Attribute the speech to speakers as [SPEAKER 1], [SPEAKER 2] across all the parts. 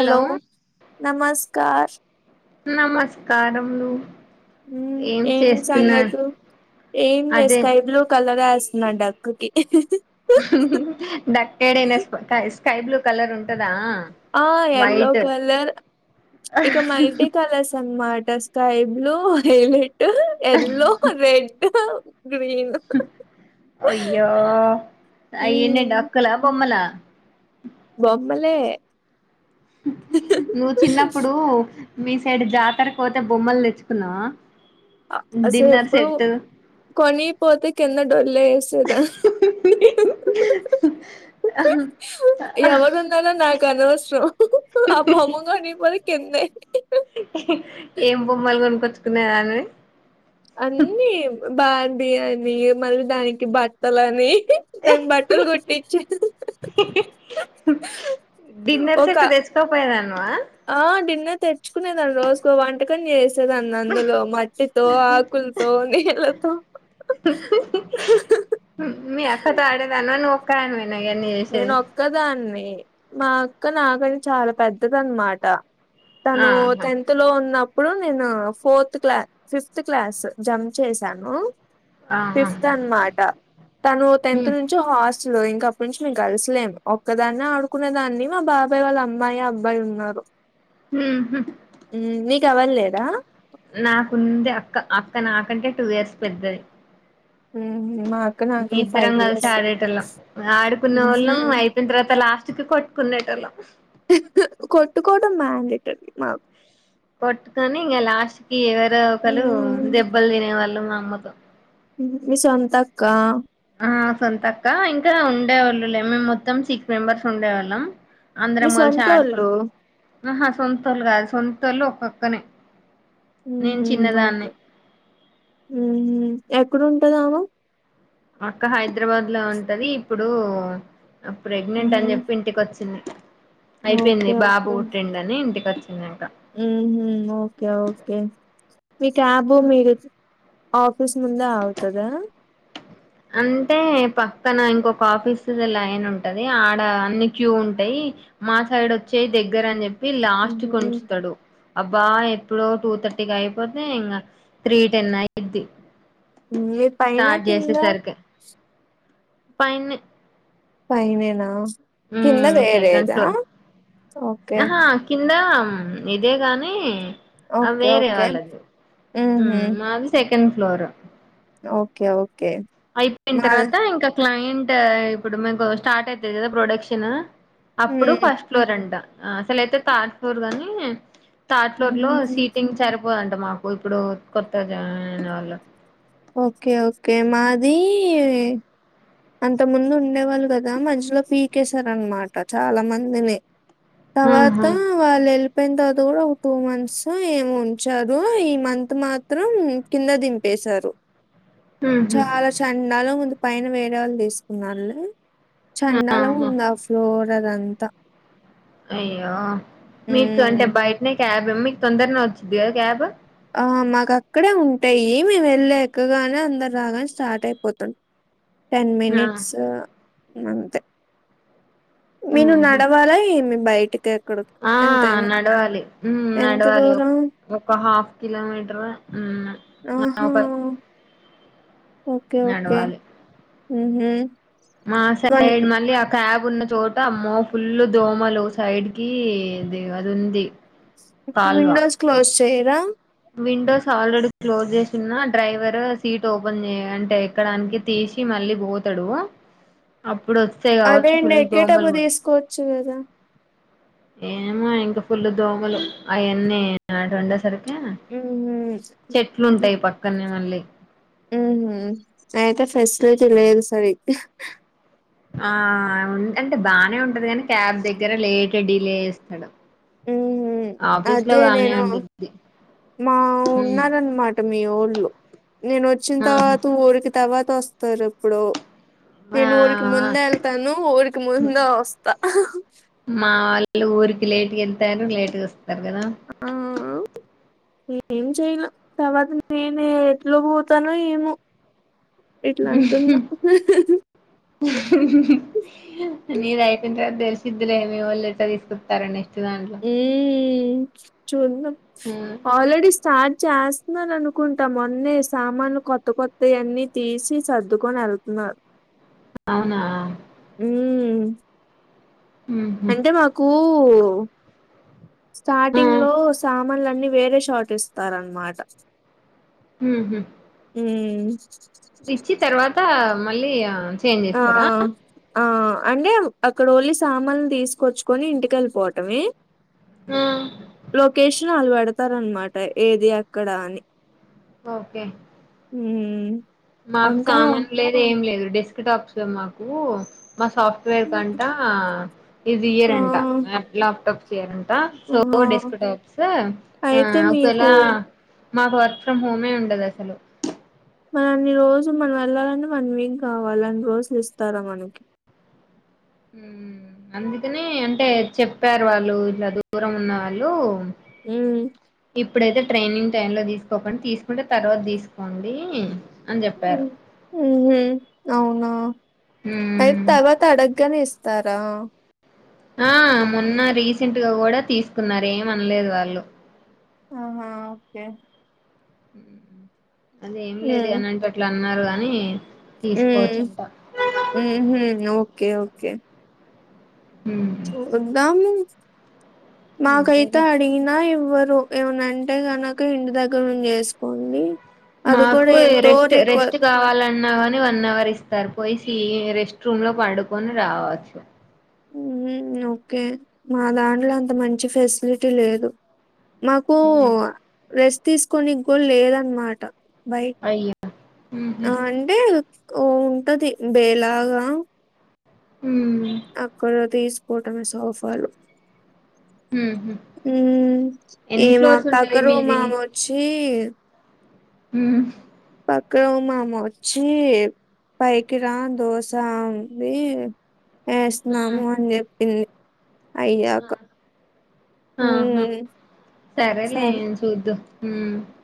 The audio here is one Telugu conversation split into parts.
[SPEAKER 1] హలో నమస్ కార్
[SPEAKER 2] నమస్కారములు
[SPEAKER 1] ఉమ్ ఏం సంగతులు ఏం లే
[SPEAKER 2] అదే
[SPEAKER 1] స్కై బ్లూ కలర్ వేస్తనా డక్ కి
[SPEAKER 2] డక్కేడైనా స్కైస్ స్కై బ్లూ కలర్ ఉంటదా
[SPEAKER 1] ఆ ఎల్లో
[SPEAKER 2] వైట్
[SPEAKER 1] కలర్ ఇక మల్టీ కలర్స్ అన్మా ట స్కై బ్లూ హెలు ఎల్లో రెడ్డు
[SPEAKER 2] అయ్యో అయ్యన్నీ
[SPEAKER 1] మ్మ్
[SPEAKER 2] డక్కులా బొమ్మలా
[SPEAKER 1] బొమ్మలే
[SPEAKER 2] నువ్వు చిన్నప్పుడు మీ సైడ్ జాతరకు పోతే బొమ్మలు తెచ్చుకున్నావా
[SPEAKER 1] అసలు
[SPEAKER 2] డిన్నర్
[SPEAKER 1] ఎప్పుడు
[SPEAKER 2] సెట్
[SPEAKER 1] కొని పోతే కింద డొల్లే వేసేదా ఎవరున్నారో నాకు అనవస్ స భమంగనిపోరి కన్న
[SPEAKER 2] ఏం బొమ్మలు కొనుకొచ్చుకున్నా అని
[SPEAKER 1] అన్నీ బా టి అని మరియు దానికి బట్టల అని దానికి బట్టలు కుట్టించి
[SPEAKER 2] డిన్నర్
[SPEAKER 1] ఒక
[SPEAKER 2] సెట్ తెచ్చుకోపోయేదానివా
[SPEAKER 1] ఆ డిన్నర్ తెచ్చుకునేదాన్ని రోజుకో వంటకం చేస్త దన్ని అందులో మట్టితో ఆకులతో నీళ్లతో
[SPEAKER 2] క
[SPEAKER 1] నేను ఒక్కదాన్ని మా అక్క నాకని చాలా పెద్దద అన్నమాట తను
[SPEAKER 2] ఆహా
[SPEAKER 1] టెన్త్ లో ఉన్న ఇప్పుడు నేను ఫోర్త్ క్లా ఫిఫ్త్ క్లాస్ జంప్ చేశాను ఫిఫ్త్
[SPEAKER 2] ఆహా
[SPEAKER 1] అనమాట తను టెన్త్ నుంచి హాస్ సలో ఇంకా ఇప్పటి నుంచి మేకు కలిసులేము ఒక్కదాన్నే ఆడుకునే దాన్ని మా బాబాయ్ వాళ్ళ అమ్మాయి అబ్బాయి ఉన్నారు
[SPEAKER 2] హ
[SPEAKER 1] కావాల లేదా
[SPEAKER 2] నాకుంది అక్క అక్క నాకంటే టూ ఇయర్స్ పెద్దది
[SPEAKER 1] ఆ
[SPEAKER 2] ఇద్దరం కలిసి ఆడేట వాళ్ళం ఆడుకున్న
[SPEAKER 1] మ్హు
[SPEAKER 2] వాళ్ళం అయిపోయిన తర్వాత లాస్ట్ కి కొట్టుకునేటోళ్ళం
[SPEAKER 1] ట్టుకోవడం మాడేటంర్ మాకు
[SPEAKER 2] కొట్టుకొని ఇంకా లాస్ట్ కి ఎవరో ఒకరు
[SPEAKER 1] మ్
[SPEAKER 2] దెబ్బలు తినే వాళ్ళు మా మ్మతం
[SPEAKER 1] మీ సొంత అక్క
[SPEAKER 2] ఆ సొంతక్క ఇంకా ఉండేవాళ్ళులే మేము మొత్తం సిక్స్ మెంబర్స్ ఉండేవాళ్ళం
[SPEAKER 1] మీ
[SPEAKER 2] అందరం కలిసి
[SPEAKER 1] సొంతోళ్ళు
[SPEAKER 2] ఆడుకున్నాం ఆహా సొంతోళ్లు కాదు సొంతోళ్లు ఒొక్కనే
[SPEAKER 1] హు ఓకే హు ఎక్కడుంటదామే
[SPEAKER 2] అక్క హైదరాబాద్ లో ఉంటది ఇప్పుడు ప్రెగ్నెంట్ అని
[SPEAKER 1] ఉహు
[SPEAKER 2] చెప్పి ఇంటికి వచ్చింది అయిపోయింది
[SPEAKER 1] ఓకే
[SPEAKER 2] బాబు పుట్టిండు అని ఇంటికి వచ్చ చిన్నా
[SPEAKER 1] మ్ హు ఓకే ఓకే మీ క్యాబు మీరు ఆఫీస్ ముందే అవుతదా
[SPEAKER 2] అంటే పక్కన ఇంకొక ఆఫీస్ది లయిన్ ఉంటది ఆడ అన్ని క్యూ ఉంటాయి మా సైడ్ వచ్చేయి దగ్గర అని చెప్పి పి లాస్ట్
[SPEAKER 1] ఉహు
[SPEAKER 2] కొంస్తస్తాడు అబ్ బా ఎప్పుడో టూ థర్టీకి అయిపోతే ఇంకా త్రీ టెన్ అయిద్ది
[SPEAKER 1] మీ పైన కింద
[SPEAKER 2] క పైన్నే
[SPEAKER 1] పైనేనా కింద
[SPEAKER 2] సెకండ్
[SPEAKER 1] వేరేదా ఓకే
[SPEAKER 2] ంద ఇదే కానీ ఆ
[SPEAKER 1] ఓకే
[SPEAKER 2] వేరే
[SPEAKER 1] ఓకే
[SPEAKER 2] వాళ్ళది
[SPEAKER 1] ఉహు
[SPEAKER 2] మాది సెకం సెకండ్ ఫ్లోర్
[SPEAKER 1] ఓకే ఓకే
[SPEAKER 2] అయిపోయిన
[SPEAKER 1] మాది
[SPEAKER 2] తర్వాత ఇంకా క్లయింట్ ఇప్పుడు మకు స్టార్ట్ అవుతది కదా ప్రొడక్షన్ అప్పుడు
[SPEAKER 1] ఉహు
[SPEAKER 2] ఫస్ట్ ఫ్లోర్ అంట అసలయితే థర్డ్ ఫ్లోర్ గాని థాడ్ ఫ్లోర్ లో
[SPEAKER 1] ఉహు
[SPEAKER 2] సీటింగ్ సారి పోదంట మాకు ఇప్పుడు కొత్తగా జాయిన్ అయిన వాళ్ళ
[SPEAKER 1] ఓకే ఓకే మాది అంత ముందు ఉండేవాళ్ళు కదా మధ్యలో పీకేశార అనమాట చాలా మందిని తర్వాత
[SPEAKER 2] ఆహా
[SPEAKER 1] వాళ్ళు వెళ్ళిపోయిన తత ఒక టూ మంత్స్ ఏం ఉంచారు ఈ మంత్ మాత్రం కింద దింపేశారు
[SPEAKER 2] ఉహు
[SPEAKER 1] చాలా చండాల ముందు పైన వే తీసుకున్నా వాళ్ళు చండాల
[SPEAKER 2] ఆహా
[SPEAKER 1] ఉందా ఫ్లోర్ అరదంతా
[SPEAKER 2] అయ్యో మీకు అంటే బయటనే క్యాబ్ మమ్మీ తొందరి న వచ్చింది క్యాబ్
[SPEAKER 1] ఆ మాకు అక్కడే ఉంటాయి మేము వెళ్ళ ఎక్కగానే అందరు రాగానే స్టార్ట్ అయిపోతుం టెన్
[SPEAKER 2] ఆ
[SPEAKER 1] మనిట్స్ అంతే మీ ను
[SPEAKER 2] ఉహు
[SPEAKER 1] నడవాలా బయట ఇక
[SPEAKER 2] ఆ నడవాలి
[SPEAKER 1] ఎంత
[SPEAKER 2] నడవాలి
[SPEAKER 1] దూరం?
[SPEAKER 2] ఒక హాఫ్ కిలోమీటర్
[SPEAKER 1] ఆహా!
[SPEAKER 2] నప్ప
[SPEAKER 1] ఓకే ఓకే ఉ
[SPEAKER 2] మా సైడ్ మళ్ళీ ఆ కబ్ ఉన్న చోట అమ్మ ఫుల్ దోమలు సైడ్ కి ఇది అది ఉంది కాల్వ
[SPEAKER 1] విండోస్ క్లోజ్ చెయరా
[SPEAKER 2] విండోస్ ఆల్రెడీ క్లోజ్ చేసిన డ్రైవర్ సీట్ ఓపెన్ అంటే ఎక్కడానికి తీసి మళ్ళీ పోతాడు అప్పు ఇప్పుడు వస్తే కావచ్చు
[SPEAKER 1] అదేండి
[SPEAKER 2] ఫుల్ దోమలు
[SPEAKER 1] ఎక్కేటప్పుడు
[SPEAKER 2] కూడా
[SPEAKER 1] తీసుకోవచ్చు గదా!
[SPEAKER 2] ఏమో ఇంకా ఫుల్ దోమలు అవన్నీ అ వండేసరికి
[SPEAKER 1] హుహు.
[SPEAKER 2] చెట్లు ఉంటాయి పక్కనే మళ్ళీ
[SPEAKER 1] అయితే ఫెసిలిటీ లేదు సార్
[SPEAKER 2] ఆ అంటే బానే ఉంటది కాని క్యాబ్ దగ్గర లేట్ డిలే చేస్తాడు
[SPEAKER 1] ఉ
[SPEAKER 2] ఆఫీస్ లో
[SPEAKER 1] అదే
[SPEAKER 2] బానే
[SPEAKER 1] నేను
[SPEAKER 2] ఉండిద్ది
[SPEAKER 1] మా
[SPEAKER 2] హ్మ్.
[SPEAKER 1] ఉన్నన్నమాట మీ ఊళ్ళు నేను వచ్చిన
[SPEAKER 2] ఆహా
[SPEAKER 1] తర్వాత ఊరికి తర్వాత వస్తారు ఇప్పుడు
[SPEAKER 2] ఆ
[SPEAKER 1] నేను ఊరికి ముందే వెళ్తాను ఊరికి ముందే వస్తా
[SPEAKER 2] రిలేటి్ సర్గదా
[SPEAKER 1] ఆ! ఏం చెయలే తర్వాత నేనే ఎట్లో పోతానో ఏమో ఇట్లా అంటున్నా
[SPEAKER 2] అ రాయఫద్ద సిద్ధలేమి వాళ్ళులెటర్ తీసుకుతారడి దాలో
[SPEAKER 1] ఆలరెడ్డి స్టార్ట్ చేస్తున్నాార అనుకుంటా మొన్నే సామాన్లు కొత్త కొత్త అన్ని తీసి సర్దుకొని వెళ్తున్నారు
[SPEAKER 2] అవునా
[SPEAKER 1] హ్
[SPEAKER 2] ఉహు
[SPEAKER 1] అంటే మాకు వ
[SPEAKER 2] ఆ
[SPEAKER 1] స్టార్టింగ్ లో సామాన్లు అన్ని వేరే షాట్ ఇస్తారన్నమాట
[SPEAKER 2] హూ హ్
[SPEAKER 1] హమ్
[SPEAKER 2] ఇచ్చి తర్వాత మళ్ళీ చేంజ్
[SPEAKER 1] ఆ
[SPEAKER 2] చేస్తారా
[SPEAKER 1] ఆ అంటే అక్కడ ఓన్లీ సామాన్లు తీసుకొచ్చుకని ఇంటికి వెళ్ళిపోవటమే లోకేషన్ అల్వాడ పెడతారనమాట ఏది అక్కడ అని
[SPEAKER 2] ఓకే
[SPEAKER 1] ఉ
[SPEAKER 2] మాకు సామాను లేదు ఏం లేదు డెస్క్ టాప్స్ మాకు మా సాఫ్ట్వేర్ కంటా ఇది ఇయర్
[SPEAKER 1] ఆ!
[SPEAKER 2] అంటా లాప్టాప్ చేరండి అ సో
[SPEAKER 1] ఆ!
[SPEAKER 2] డెస్క్ టాప్స్ ఆ
[SPEAKER 1] అయితే మీకు
[SPEAKER 2] ఒకవేలా మాకు వర్క్ ఫ్రమ్ హోమే ఉండదు అసలు
[SPEAKER 1] మన అన్ని రోజు మనం వెళ్ళాలంటని వన్ వీక్ కావాలి అన్ని రోజులు ఇస్తారా మనకి
[SPEAKER 2] హ్ అందుకని అంటే చెప్పారు వాళ్ళు ఇట్లా దూరం ఉన్న వాళ్ళు
[SPEAKER 1] హ్మ్.
[SPEAKER 2] ఇప్పుడు అయితే ట్రైనింగ్ టై లో తీసుకోకన్ తీసుకుంటే తర్వాత తీసుకోండి అని
[SPEAKER 1] ఉ
[SPEAKER 2] చెప్పారు
[SPEAKER 1] హు అవునా అయి తర్వాత అడగ్గానే ఇస్త తర
[SPEAKER 2] ఆ మొన్న రీసెంట్ గా కూడా తీసుకున్నారు ఏమనలేదు వాళ్ళు
[SPEAKER 1] ఆహా ఓకే
[SPEAKER 2] హ్ అదే ఏం లేదు అనింట అట్లా అన్నారు అని
[SPEAKER 1] హ్ హు ఓకే ఓకే ఓకే
[SPEAKER 2] హ్మ్
[SPEAKER 1] దం మాకైత
[SPEAKER 2] అంతేలే
[SPEAKER 1] అడిగిన ఇవ్వరు ఏమనంటే కనుక ఇంటి దగ్గర నుంచి చేసుకోండి అది కూడా
[SPEAKER 2] మాకు
[SPEAKER 1] ఎంతో
[SPEAKER 2] రెస్ట్
[SPEAKER 1] రిక్వ
[SPEAKER 2] రెస్ట్ కావాలన్నాని వన్ అవర్ ఇస్తారు పోయి రెస్ట్ రూమ్ లో పడుకొని రావచ్చు
[SPEAKER 1] ఓకే మా దాంట్లో అంత మంచి ఫెసిలిటీ లేదు మాకు
[SPEAKER 2] హ్మ్
[SPEAKER 1] రెస్ట్ తీసుకొని కూడా లేదన్నమాట బై
[SPEAKER 2] అయ్యో ఊహూ
[SPEAKER 1] ఆ అంటే ఓ ఉంటది బేలాగా
[SPEAKER 2] హ్మ్
[SPEAKER 1] అక్కడ తీసు ఫటమ సౌఫాలు
[SPEAKER 2] ఊహూ
[SPEAKER 1] ఏ
[SPEAKER 2] ఎన్ని
[SPEAKER 1] మా
[SPEAKER 2] ఫ్లోర్స్
[SPEAKER 1] పక్క
[SPEAKER 2] ఉంటది
[SPEAKER 1] రూమ్ అమే వచ్చి
[SPEAKER 2] హ
[SPEAKER 1] పక్క మామ వచ్చి పైకిరా దోశ [unintelligible]
[SPEAKER 2] ఆ
[SPEAKER 1] యేసినాము అని చెప్పింది అయ్యాక
[SPEAKER 2] ఆహా
[SPEAKER 1] మ్మ్
[SPEAKER 2] సరే లే చుద్దు అ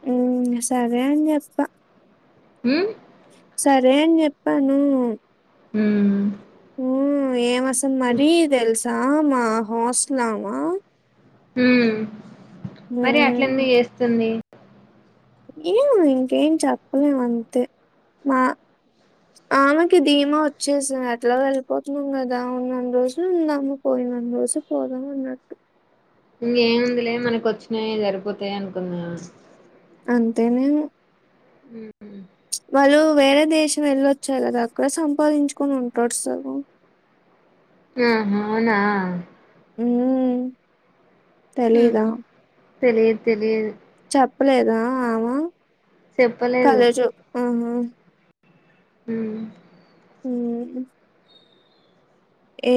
[SPEAKER 1] మ్మ్ సరే అని చెపుతా
[SPEAKER 2] హ
[SPEAKER 1] సరే అని చెప్పాను
[SPEAKER 2] ఉ
[SPEAKER 1] హ ఏమ అసలు మరీ తెలుసా ఆమ హాస్ట్ల్మా
[SPEAKER 2] హ మరి అట్లందుకు చేస్తుంది [unintelligible]
[SPEAKER 1] ఏం ఇంకేం చెప్పలేము అంతే మా ఆమెకి ధీమా వచ్చేసాం ఎట్లా వెళ్ళిపోతున్నాం కదా ఉన్నంత రోజులు ఉందాము పోయినం రోజులు పోదాం అన్నట్టు
[SPEAKER 2] ఇంకేముందిలే మనకు వచ్చినాయి సరిపోతాయి అనుకుందా
[SPEAKER 1] అంతేనే
[SPEAKER 2] ఉ
[SPEAKER 1] వాళ్ళు వేరే దేశం వెళ్ళొచ్చారులాది అక్కడ సంపాదించుకొని ఉంటారు సార్
[SPEAKER 2] ఆ అ అవునా
[SPEAKER 1] అ తెలిదా
[SPEAKER 2] తెలియదు తెలియదు
[SPEAKER 1] చెప్పలేదా ఆమా
[SPEAKER 2] చెప్పలేదు
[SPEAKER 1] కాలజు ఆ
[SPEAKER 2] హ
[SPEAKER 1] హ ఏ